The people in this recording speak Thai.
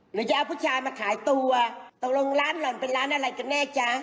หรือจะเอาผู้ชายมาขายตัวตกลงร้านหล่อนเป็นร้านอะไรกันแน่จ๊ะ